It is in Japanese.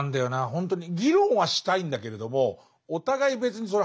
ほんとに議論はしたいんだけれどもお互い別にそれ